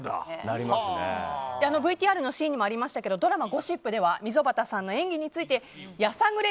ＶＴＲにもありましたがドラマ「ゴシップ」では溝端さんの演技についてやさぐれ